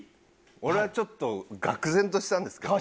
俺はちょっと愕然としたんですけど。